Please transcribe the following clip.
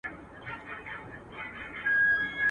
سلطنت یې له کشمیره تر دکن وو.